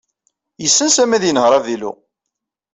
Yessen Sami ad yenheṛ avilu.